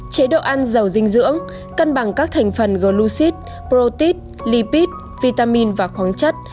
chế độ ăn dầu dinh dưỡng cân bằng các thành phần glucid protein lipid vitamin và khoáng chất